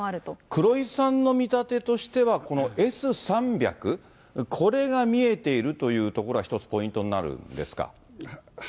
黒井さんの見立てとしては、このＳー３００、これが見えているというところが一つポイントになるんですか。